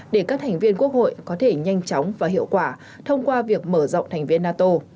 để các thành viên quốc hội có thể nhanh chóng và hiệu quả thông qua việc mở rộng thành viên nato